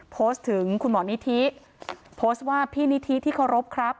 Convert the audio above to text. โพสต์ถึงคุณหมอนิธิโพสต์ว่าพี่นิธิที่เคารพครับ